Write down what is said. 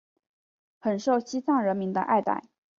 很受西藏人民的爱戴。